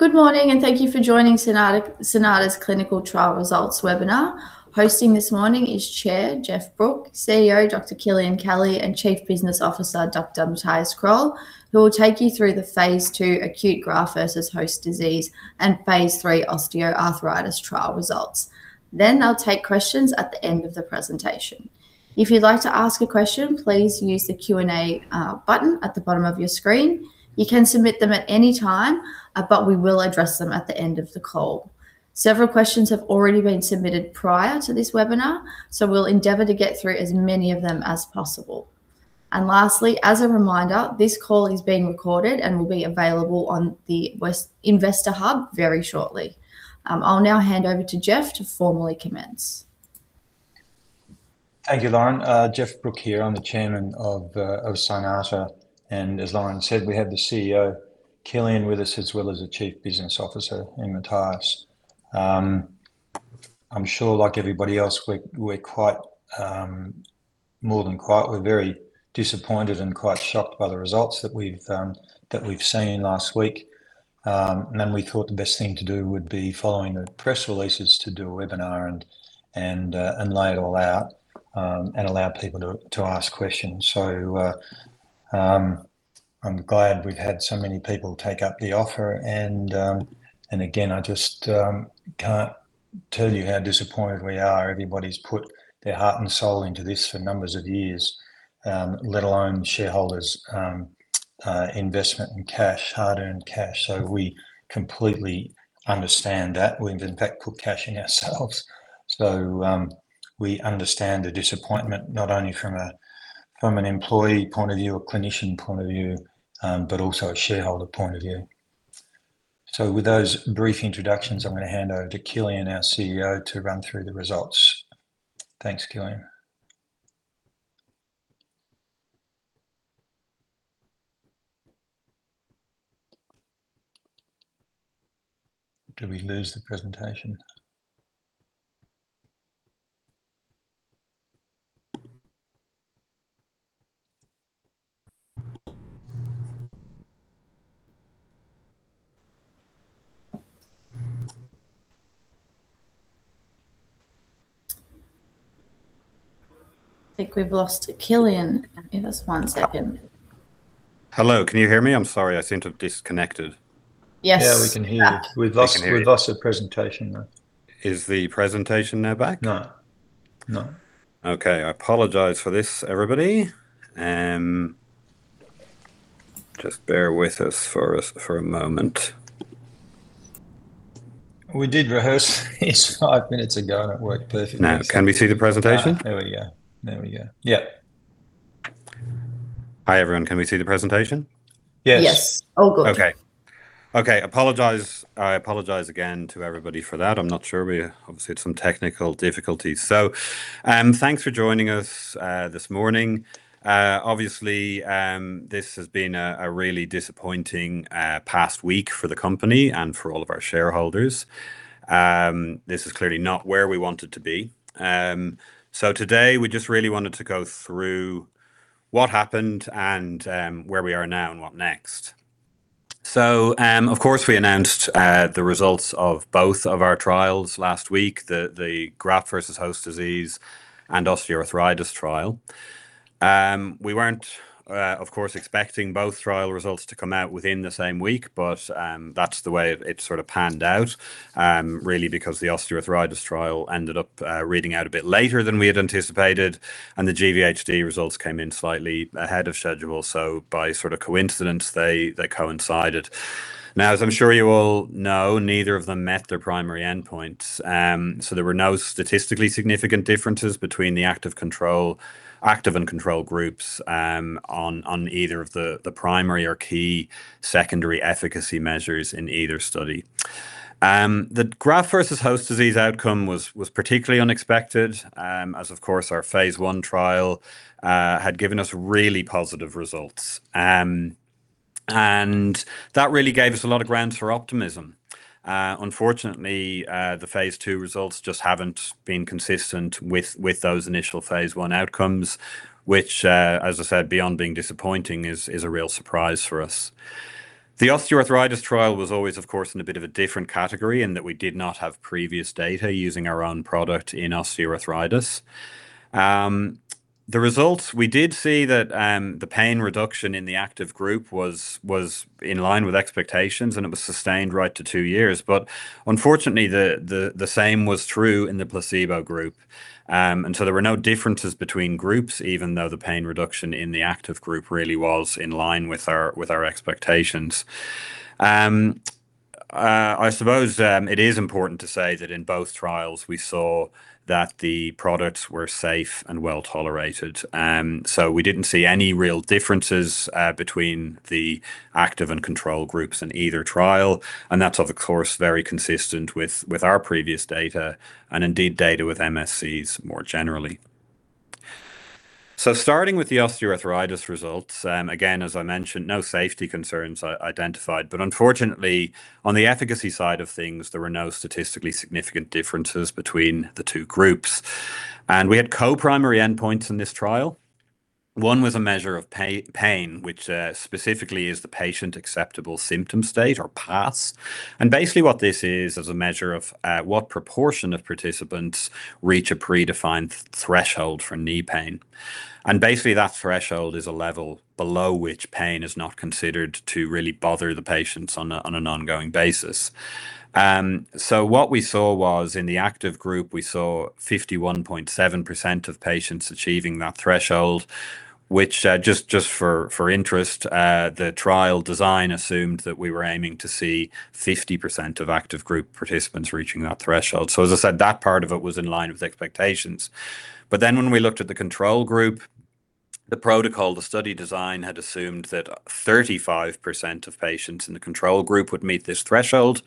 Good morning, thank you for joining Cynata's clinical trial results webinar. Hosting this morning is Chair, Geoff Brooke, CEO, Dr. Kilian Kelly, and Chief Business Officer, Dr. Mathias Kroll, who will take you through the phase II acute graft-versus-host disease and phase III osteoarthritis trial results. They'll take questions at the end of the presentation. If you'd like to ask a question, please use the Q&A button at the bottom of your screen. You can submit them at any time, we will address them at the end of the call. Several questions have already been submitted prior to this webinar, we'll endeavor to get through as many of them as possible. Lastly, as a reminder, this call is being recorded and will be available on the investor hub very shortly. I'll now hand over to Geoff to formally commence. Thank you, Lauren. Geoff Brooke here. I'm the Chairman of Cynata, as Lauren said, we have the CEO, Kilian, with us, as well as the Chief Business Officer in Mathias. I'm sure like everybody else, we're very disappointed and quite shocked by the results that we've seen last week. We thought the best thing to do would be following the press releases to do a webinar and lay it all out, and allow people to ask questions. I'm glad we've had so many people take up the offer. Again, I just can't tell you how disappointed we are. Everybody's put their heart and soul into this for numbers of years, let alone shareholders' investment in hard-earned cash. We completely understand that. We've, in fact, put cash in ourselves. We understand the disappointment, not only from an employee point of view or clinician point of view, but also a shareholder point of view. With those brief introductions, I'm going to hand over to Kilian, our CEO, to run through the results. Thanks, Kilian. Did we lose the presentation? I think we've lost Kilian. Give us one second. Hello, can you hear me? I'm sorry, I seem to have disconnected. Yes. Yeah, we can hear you. We can hear you. We've lost the presentation though. Is the presentation now back? No. Okay. I apologize for this, everybody. Just bear with us for a moment. We did rehearse this five minutes ago, and it worked perfectly. Now, can we see the presentation? There we go. Yep. Hi, everyone. Can we see the presentation? Yes. Yes. All good. Okay. I apologize again to everybody for that. I'm not sure, we obviously had some technical difficulties. Thanks for joining us this morning. Obviously, this has been a really disappointing past week for the company and for all of our shareholders. This is clearly not where we wanted to be. Today, we just really wanted to go through what happened, and where we are now, and what next. Of course, we announced the results of both of our trials last week, the graft-versus-host disease and osteoarthritis trial. We weren't, of course, expecting both trial results to come out within the same week, but that's the way it sort of panned out, really because the osteoarthritis trial ended up reading out a bit later than we had anticipated, and the GVHD results came in slightly ahead of schedule, so by sort of coincidence, they coincided. As I'm sure you all know, neither of them met their primary endpoints. There were no statistically significant differences between the active and control groups on either of the primary or key secondary efficacy measures in either study. The graft-versus-host disease outcome was particularly unexpected, as of course our phase I trial had given us really positive results. That really gave us a lot of grounds for optimism. Unfortunately, the phase II results just haven't been consistent with those initial phase I outcomes, which, as I said, beyond being disappointing, is a real surprise for us. The osteoarthritis trial was always, of course, in a bit of a different category in that we did not have previous data using our own product in osteoarthritis. The results, we did see that the pain reduction in the active group was in line with expectations, and it was sustained right to two years. Unfortunately, the same was true in the placebo group. There were no differences between groups, even though the pain reduction in the active group really was in line with our expectations. I suppose it is important to say that in both trials, we saw that the products were safe and well-tolerated. We didn't see any real differences between the active and control groups in either trial, and that's of course, very consistent with our previous data and indeed data with MSCs more generally. Starting with the osteoarthritis results, again, as I mentioned, no safety concerns identified. Unfortunately, on the efficacy side of things, there were no statistically significant differences between the two groups. We had co-primary endpoints in this trial. One was a measure of pain, which specifically is the Patient Acceptable Symptom State or PASS. Basically what this is a measure of what proportion of participants reach a predefined threshold for knee pain. Basically that threshold is a level below which pain is not considered to really bother the patients on an ongoing basis. What we saw was in the active group, we saw 51.7% of patients achieving that threshold, which just for interest, the trial design assumed that we were aiming to see 50% of active group participants reaching that threshold. As I said, that part of it was in line with expectations. When we looked at the control group, the protocol, the study design had assumed that 35% of patients in the control group would meet this threshold,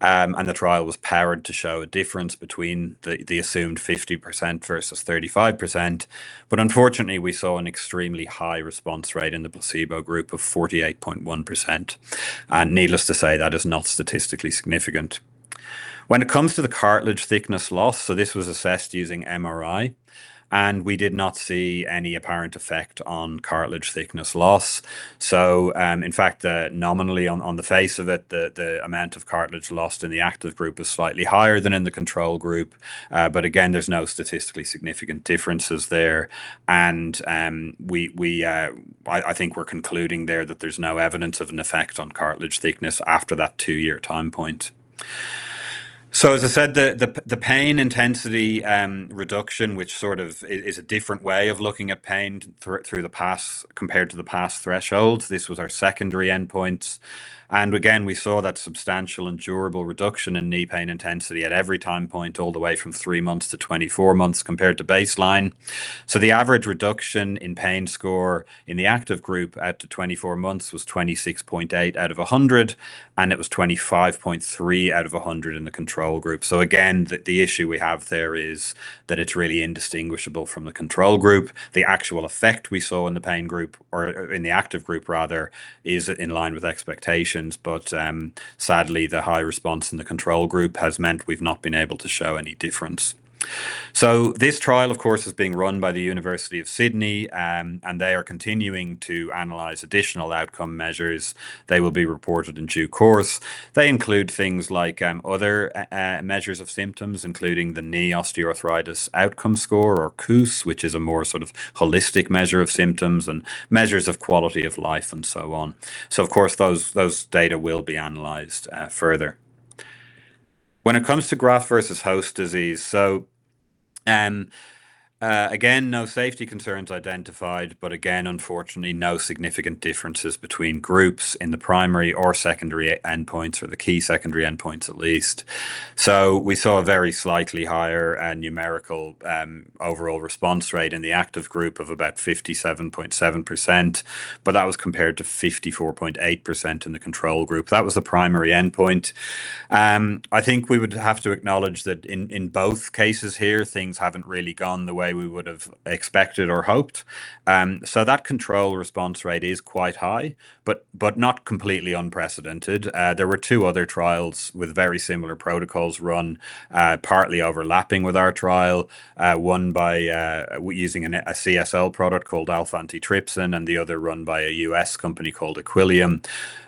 and the trial was powered to show a difference between the assumed 50% versus 35%. Unfortunately, we saw an extremely high response rate in the placebo group of 48.1%. Needless to say, that is not statistically significant. When it comes to the cartilage thickness loss, this was assessed using MRI. We did not see any apparent effect on cartilage thickness loss. In fact, nominally on the face of it, the amount of cartilage lost in the active group was slightly higher than in the control group. Again, there's no statistically significant differences there. I think we're concluding there that there's no evidence of an effect on cartilage thickness after that two-year time point. As I said, the pain intensity reduction, which sort of is a different way of looking at pain through the PASS compared to the PASS threshold. This was our secondary endpoint. Again, we saw that substantial and durable reduction in knee pain intensity at every time point, all the way from three months to 24 months compared to baseline. The average reduction in pain score in the active group at 24 months was 26.8 out of 100, and it was 25.3 out of 100 in the control group. Again, the issue we have there is that it's really indistinguishable from the control group. The actual effect we saw in the pain group or in the active group rather, is in line with expectations. Sadly, the high response in the control group has meant we've not been able to show any difference. This trial, of course, is being run by the University of Sydney, and they are continuing to analyze additional outcome measures. They will be reported in due course. They include things like other measures of symptoms, including the Knee Osteoarthritis Outcome Score or KOOS, which is a more sort of holistic measure of symptoms and measures of quality of life and so on. Of course those data will be analyzed further. When it comes to graft-versus-host disease, again, no safety concerns identified, again, unfortunately, no significant differences between groups in the primary or secondary endpoints or the key secondary endpoints at least. We saw a very slightly higher numerical overall response rate in the active group of about 57.7%, but that was compared to 54.8% in the control group. That was the primary endpoint. I think we would have to acknowledge that in both cases here, things haven't really gone the way we would've expected or hoped. That control response rate is quite high, but not completely unprecedented. There were two other trials with very similar protocols run, partly overlapping with our trial. One by using a CSL product called Alpha-1 Antitrypsin, and the other run by a U.S. company called Equilium.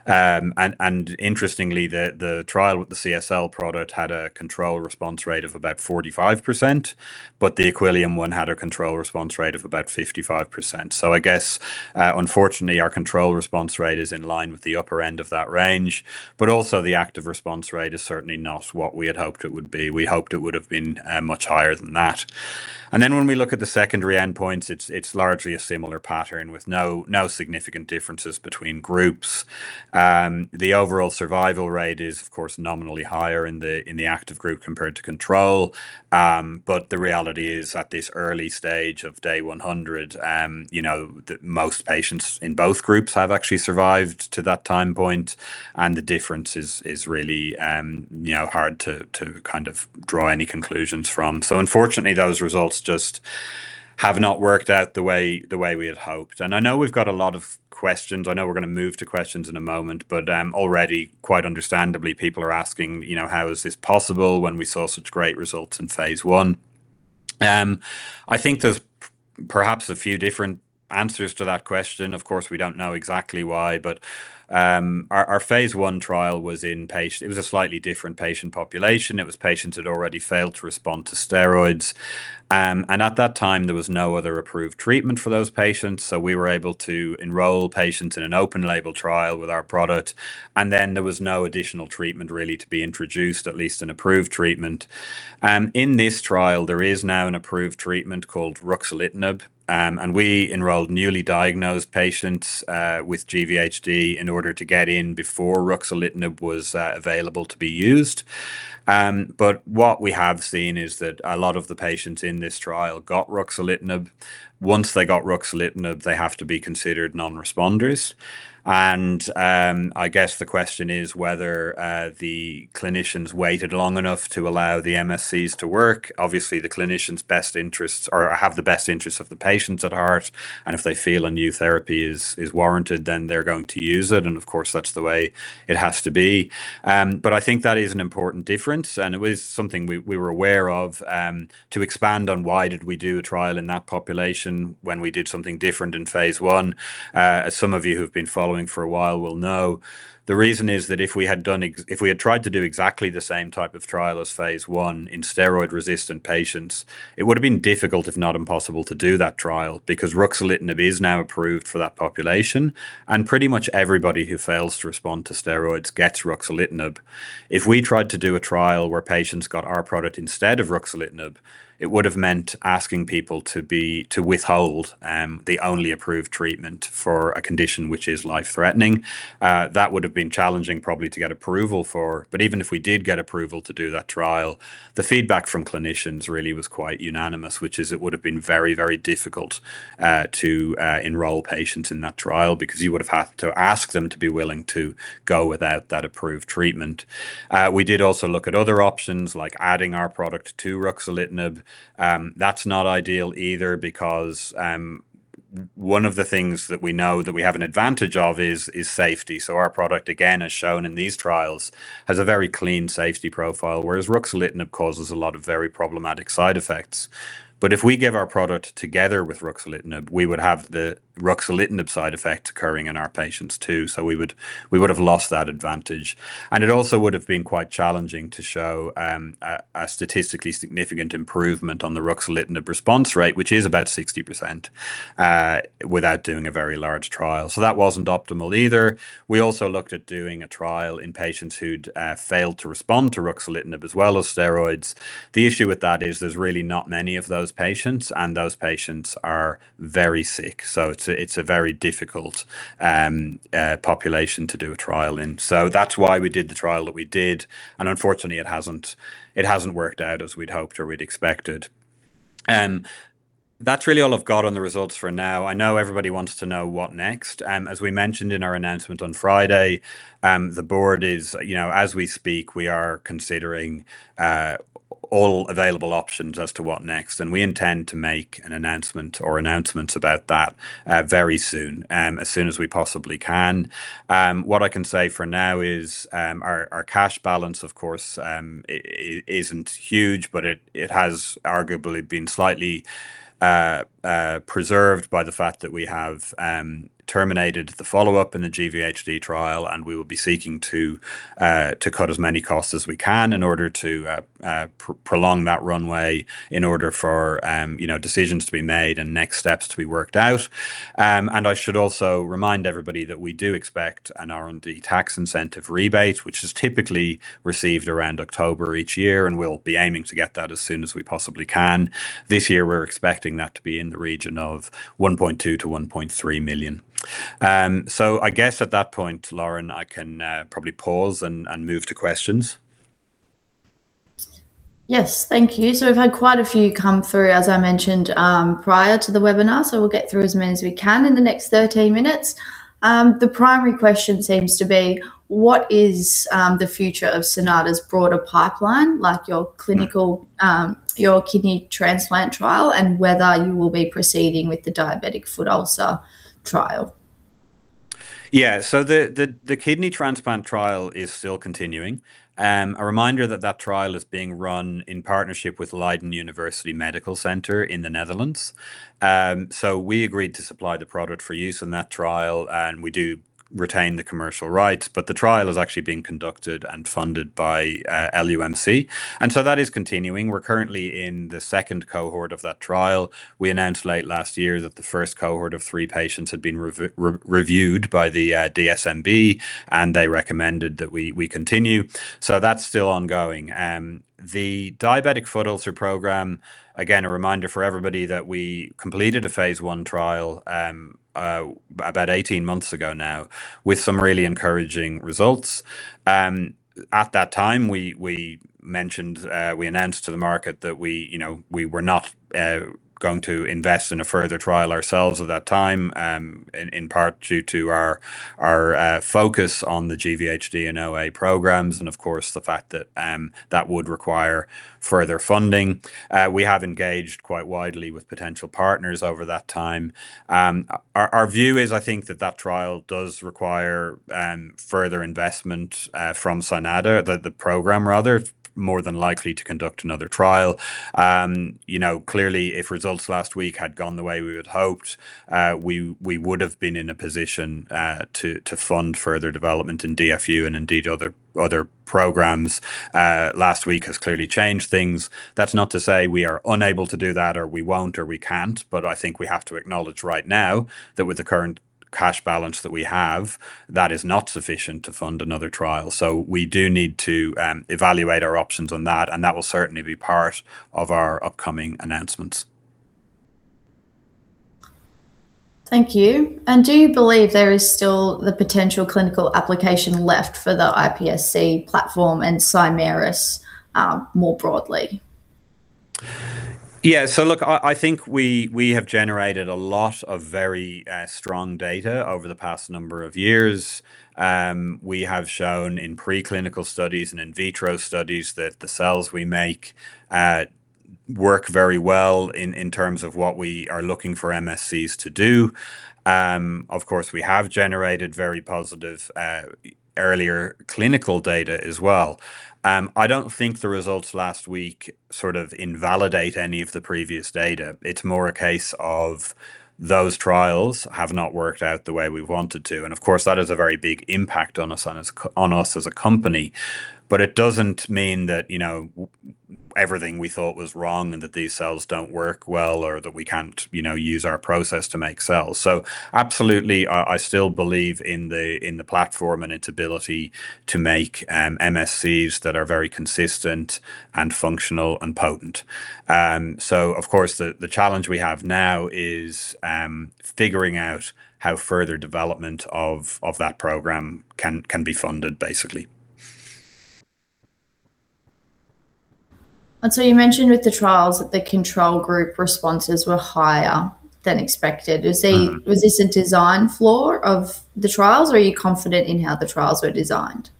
Interestingly, the trial with the CSL product had a control response rate of about 45%, but the Equilium one had a control response rate of about 55%. I guess, unfortunately our control response rate is in line with the upper end of that range, also the active response rate is certainly not what we had hoped it would be. We hoped it would've been much higher than that. When we look at the secondary endpoints, it's largely a similar pattern with no significant differences between groups. The overall survival rate is of course nominally higher in the active group compared to control. The reality is at this early stage of day 100, most patients in both groups have actually survived to that time point, and the difference is really hard to kind of draw any conclusions from. Unfortunately, those results just have not worked out the way we had hoped. I know we've got a lot of questions. I know we're going to move to questions in a moment, already quite understandably, people are asking, how is this possible when we saw such great results in phase I? I think there's perhaps a few different answers to that question. Of course, we don't know exactly why, our phase I trial was in a slightly different patient population. It was patients that already failed to respond to steroids. At that time, there was no other approved treatment for those patients, so we were able to enroll patients in an open-label trial with our product, then there was no additional treatment really to be introduced, at least an approved treatment. In this trial, there is now an approved treatment called ruxolitinib, we enrolled newly diagnosed patients with GVHD in order to get in before ruxolitinib was available to be used. What we have seen is that a lot of the patients in this trial got ruxolitinib. Once they got ruxolitinib, they have to be considered non-responders. I guess the question is whether the clinicians waited long enough to allow the MSCs to work. Obviously, the clinicians have the best interests of the patients at heart, if they feel a new therapy is warranted, they're going to use it, of course, that's the way it has to be. I think that is an important difference, and it was something we were aware of. To expand on why did we do a trial in that population when we did something different in phase I, as some of you who've been following for a while will know, the reason is that if we had tried to do exactly the same type of trial as phase I in steroid-resistant patients, it would have been difficult, if not impossible, to do that trial, because ruxolitinib is now approved for that population, pretty much everybody who fails to respond to steroids gets ruxolitinib. If we tried to do a trial where patients got our product instead of ruxolitinib, it would have meant asking people to withhold the only approved treatment for a condition which is life-threatening. That would have been challenging probably to get approval for. Even if we did get approval to do that trial, the feedback from clinicians really was quite unanimous, which is it would have been very difficult to enroll patients in that trial, because you would have had to ask them to be willing to go without that approved treatment. We did also look at other options like adding our product to ruxolitinib. That's not ideal either because one of the things that we know that we have an advantage of is safety. Our product, again, as shown in these trials, has a very clean safety profile, whereas ruxolitinib causes a lot of very problematic side effects. If we give our product together with ruxolitinib, we would have the ruxolitinib side effect occurring in our patients too. We would have lost that advantage. It also would have been quite challenging to show a statistically significant improvement on the ruxolitinib response rate, which is about 60%, without doing a very large trial. That wasn't optimal either. We also looked at doing a trial in patients who'd failed to respond to ruxolitinib as well as steroids. The issue with that is there's really not many of those patients, and those patients are very sick. It's a very difficult population to do a trial in. That's why we did the trial that we did, and unfortunately, it hasn't worked out as we'd hoped or we'd expected. That's really all I've got on the results for now. I know everybody wants to know what next. As we mentioned in our announcement on Friday, the board is, as we speak, we are considering all available options as to what next, and we intend to make an announcement or announcements about that very soon, as soon as we possibly can. What I can say for now is our cash balance, of course, isn't huge, but it has arguably been slightly preserved by the fact that we have terminated the follow-up in the GVHD trial, and we will be seeking to cut as many costs as we can in order to prolong that runway in order for decisions to be made and next steps to be worked out. I should also remind everybody that we do expect an R&D tax incentive rebate, which is typically received around October each year, and we'll be aiming to get that as soon as we possibly can. This year, we're expecting that to be in the region of 1.2 million-1.3 million. I guess at that point, Lauren, I can probably pause and move to questions. Yes. Thank you. We've had quite a few come through, as I mentioned, prior to the webinar, so we'll get through as many as we can in the next 30 minutes. The primary question seems to be what is the future of Cynata's broader pipeline, like your clinical kidney transplant trial, and whether you will be proceeding with the diabetic foot ulcer trial. Yeah. The kidney transplant trial is still continuing. A reminder that that trial is being run in partnership with Leiden University Medical Center in the Netherlands. We agreed to supply the product for use in that trial, and we do retain the commercial rights, but the trial is actually being conducted and funded by LUMC. That is continuing. We're currently in the second cohort of that trial. We announced late last year that the first cohort of three patients had been reviewed by the DSMB, and they recommended that we continue. That's still ongoing. The diabetic foot ulcer program, again, a reminder for everybody that we completed a phase I trial about 18 months ago now with some really encouraging results. At that time, we announced to the market that we were not going to invest in a further trial ourselves at that time, in part due to our focus on the GVHD and OA programs and of course, the fact that that would require further funding. We have engaged quite widely with potential partners over that time. Our view is that that trial does require further investment from Cynata, the program rather, more than likely to conduct another trial. Clearly, if results last week had gone the way we would hoped, we would have been in a position to fund further development in DFU and indeed other programs. Last week has clearly changed things. That's not to say we are unable to do that or we won't, or we can't, but we have to acknowledge right now that with the current cash balance that we have, that is not sufficient to fund another trial. We do need to evaluate our options on that, and that will certainly be part of our upcoming announcements. Thank you. Do you believe there is still the potential clinical application left for the iPSC platform and Cymerus more broadly? Yeah. Look, I think we have generated a lot of very strong data over the past number of years. We have shown in pre-clinical studies and in vitro studies that the cells we make work very well in terms of what we are looking for MSCs to do. Of course, we have generated very positive earlier clinical data as well. I don't think the results last week sort of invalidate any of the previous data. It's more a case of those trials have not worked out the way we want it to, and of course, that has a very big impact on us as a company. It doesn't mean that everything we thought was wrong and that these cells don't work well or that we can't use our process to make cells. Absolutely, I still believe in the platform and its ability to make MSCs that are very consistent and functional, and potent. Of course, the challenge we have now is figuring out how further development of that program can be funded, basically. You mentioned with the trials that the control group responses were higher than expected. Was this a design flaw of the trials or are you confident in how the trials were designed?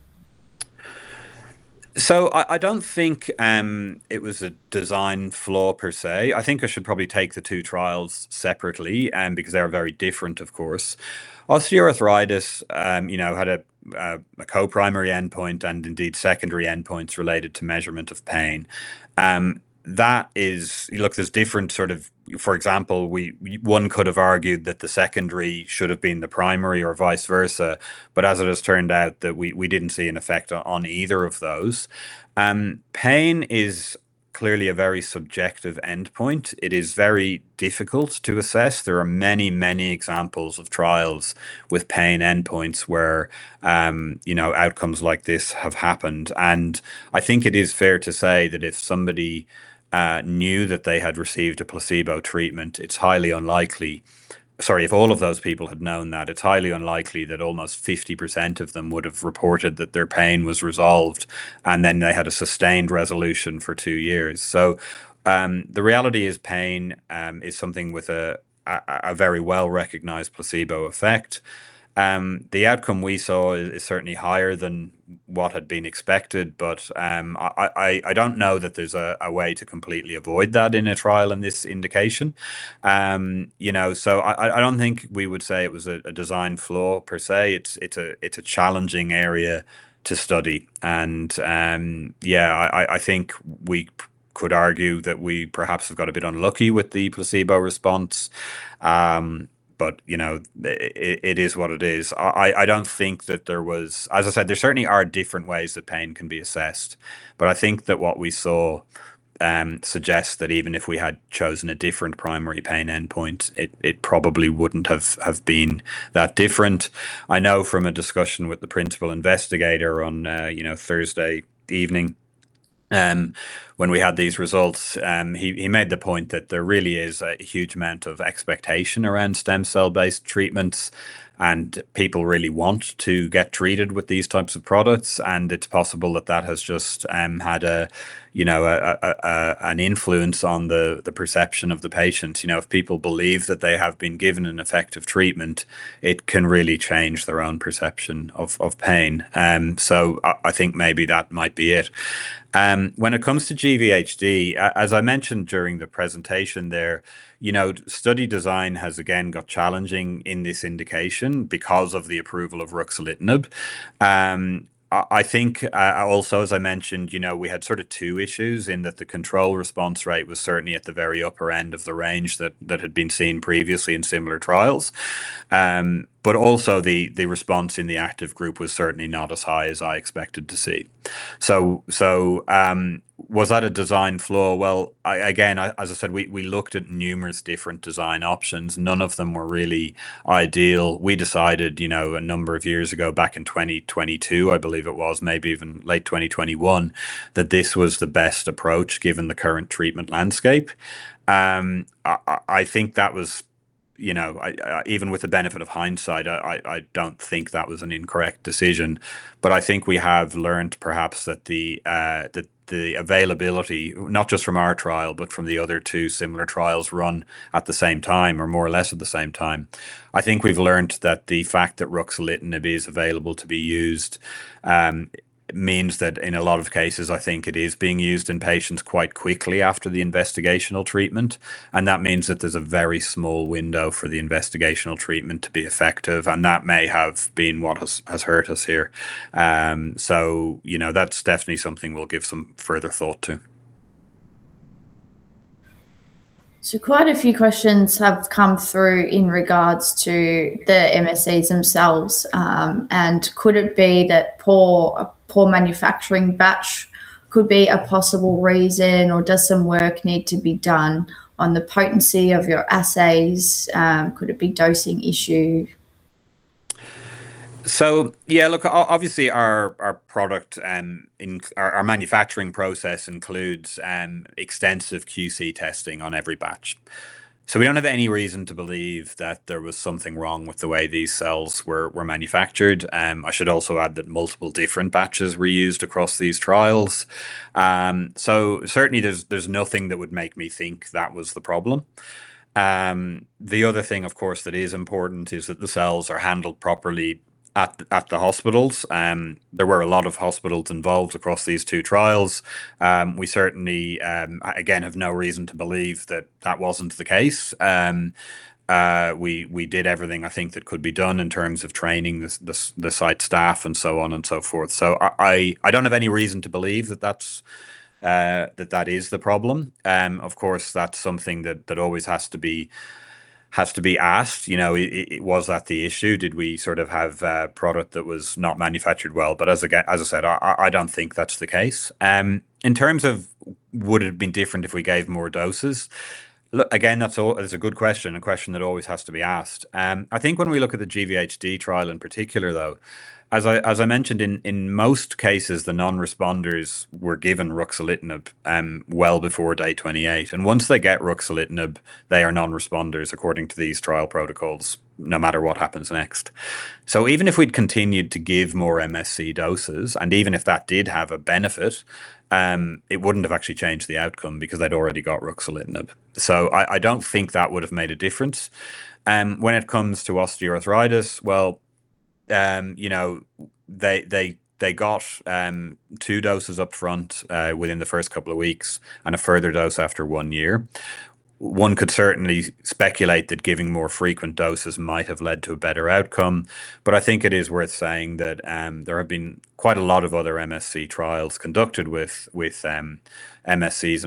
I don't think it was a design flaw per se. I think I should probably take the two trials separately, because they are very different, of course. Osteoarthritis had a co-primary endpoint and indeed secondary endpoints related to measurement of pain. Look, there's different sort of, for example, one could have argued that the secondary should have been the primary or vice versa. As it has turned out, that we didn't see an effect on either of those. Pain is clearly a very subjective endpoint. It is very difficult to assess. There are many, many examples of trials with pain endpoints where outcomes like this have happened. I think it is fair to say that if somebody knew that they had received a placebo treatment, it's highly unlikely. Sorry, if all of those people had known that, it's highly unlikely that almost 50% of them would have reported that their pain was resolved, then they had a sustained resolution for two years. The reality is pain is something with a very well-recognized placebo effect. The outcome we saw is certainly higher than what had been expected, but I don't know that there's a way to completely avoid that in a trial in this indication. I don't think we would say it was a design flaw per se. It's a challenging area to study. Yeah, I think we could argue that we perhaps have got a bit unlucky with the placebo response. It is what it is. As I said, there certainly are different ways that pain can be assessed. I think that what we saw suggests that even if we had chosen a different primary pain endpoint, it probably wouldn't have been that different. I know from a discussion with the principal investigator on Thursday evening, when we had these results, he made the point that there really is a huge amount of expectation around stem cell-based treatments. People really want to get treated with these types of products, and it's possible that that has just had an influence on the perception of the patient. If people believe that they have been given an effective treatment, it can really change their own perception of pain. I think maybe that might be it. When it comes to GVHD, as I mentioned during the presentation there, study design has again got challenging in this indication because of the approval of ruxolitinib. I think also, as I mentioned, we had sort of two issues in that the control response rate was certainly at the very upper end of the range that had been seen previously in similar trials. Also the response in the active group was certainly not as high as I expected to see. Was that a design flaw? Well, again, as I said, we looked at numerous different design options. None of them were really ideal. We decided a number of years ago, back in 2022, I believe it was, maybe even late 2021, that this was the best approach given the current treatment landscape. I think that was, even with the benefit of hindsight, I don't think that was an incorrect decision. I think we have learned perhaps that the availability, not just from our trial, but from the other two similar trials run at the same time, or more or less at the same time. I think we've learned that the fact that ruxolitinib is available to be used, means that in a lot of cases, I think it is being used in patients quite quickly after the investigational treatment. That means that there's a very small window for the investigational treatment to be effective, and that may have been what has hurt us here. That's definitely something we'll give some further thought to. Quite a few questions have come through in regards to the MSCs themselves. Could it be that a poor manufacturing batch could be a possible reason, or does some work need to be done on the potency of your assays? Could it be dosing issue? Yeah, look, obviously our product and our manufacturing process includes extensive QC testing on every batch. We don't have any reason to believe that there was something wrong with the way these cells were manufactured. I should also add that multiple different batches were used across these trials. Certainly there's nothing that would make me think that was the problem. The other thing, of course, that is important is that the cells are handled properly at the hospitals. There were a lot of hospitals involved across these two trials. We certainly, again, have no reason to believe that that wasn't the case. We did everything I think that could be done in terms of training the site staff and so on and so forth. I don't have any reason to believe that is the problem. Of course, that's something that always has to be asked. Was that the issue? Did we have a product that was not manufactured well? As I said, I don't think that's the case. In terms of would it have been different if we gave more doses, look, again, that's a good question, a question that always has to be asked. I think when we look at the GVHD trial in particular, though, as I mentioned, in most cases, the non-responders were given ruxolitinib well before day 28. Once they get ruxolitinib, they are non-responders according to these trial protocols, no matter what happens next. Even if we'd continued to give more MSC doses, and even if that did have a benefit, it wouldn't have actually changed the outcome because they'd already got ruxolitinib. I don't think that would've made a difference. When it comes to osteoarthritis, well, they got two doses upfront within the first couple of weeks and a further dose after one year. One could certainly speculate that giving more frequent doses might have led to a better outcome. I think it is worth saying that there have been quite a lot of other MSC trials conducted with MSCs and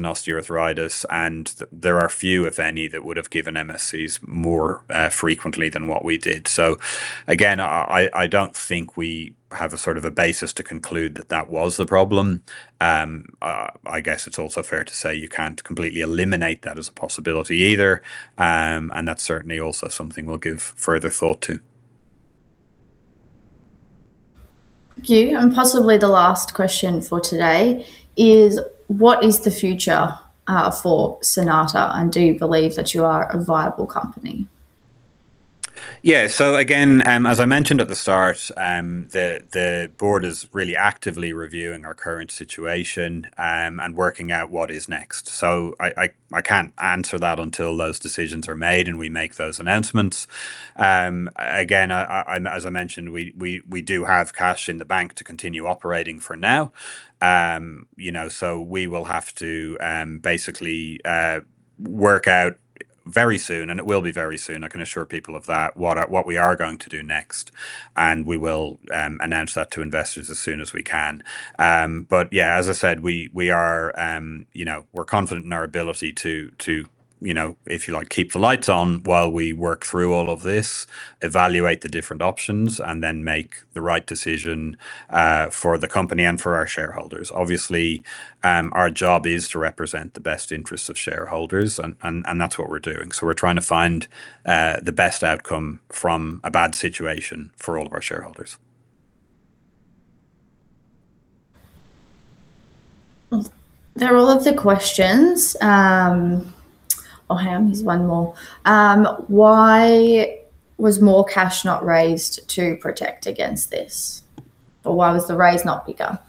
osteoarthritis, and there are few, if any, that would've given MSCs more frequently than what we did. Again, I don't think we have a basis to conclude that that was the problem. I guess it's also fair to say you can't completely eliminate that as a possibility either. That's certainly also something we'll give further thought to. Thank you. Possibly the last question for today is what is the future for Cynata, and do you believe that you are a viable company? Yeah. Again, as I mentioned at the start, the board is really actively reviewing our current situation and working out what is next. I can't answer that until those decisions are made and we make those announcements. Again, as I mentioned, we do have cash in the bank to continue operating for now. We will have to basically work out very soon, and it will be very soon, I can assure people of that, what we are going to do next, and we will announce that to investors as soon as we can. Yeah, as I said, we're confident in our ability to, if you like, keep the lights on while we work through all of this, evaluate the different options, and then make the right decision for the company and for our shareholders. Obviously, our job is to represent the best interests of shareholders, and that's what we're doing. We're trying to find the best outcome from a bad situation for all of our shareholders. They're all of the questions. Oh, hang on, there's one more. Why was more cash not raised to protect against this? Why was the raise not bigger?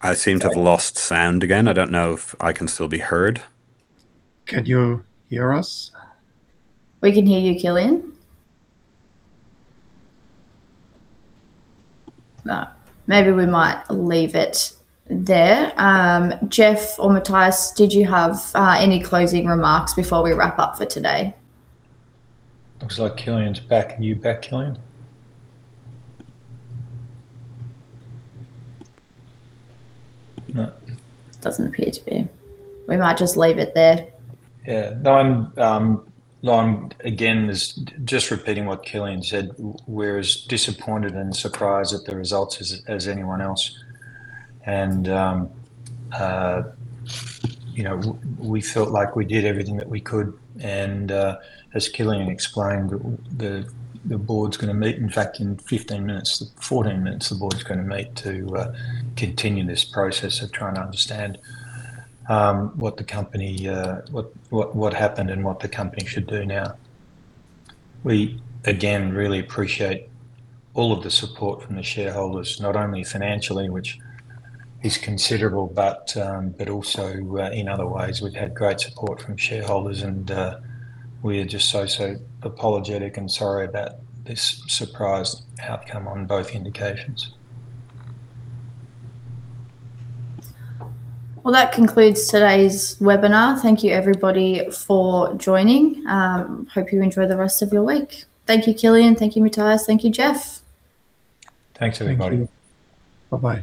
I seem to have lost sound again. I don't know if I can still be heard. Can you hear us? We can hear you, Kilian. No. Maybe we might leave it there. Geoff or Mathias, did you have any closing remarks before we wrap up for today? Looks like Kilian's back. Are you back, Kilian? No. Doesn't appear to be. We might just leave it there. No, I'm again, just repeating what Kilian said. We're as disappointed and surprised at the results as anyone else. We felt like we did everything that we could. As Kilian explained, the board's going to meet, in fact, in 15 minutes, 14 minutes, the board's going to meet to continue this process of trying to understand what happened and what the company should do now. We, again, really appreciate all of the support from the shareholders, not only financially, which is considerable, but also in other ways. We've had great support from shareholders, we are just so apologetic and sorry about this surprise outcome on both indications. That concludes today's webinar. Thank you, everybody, for joining. Hope you enjoy the rest of your week. Thank you, Kilian. Thank you, Mathias. Thank you, Geoff. Thanks, everybody. Thank you. Bye-bye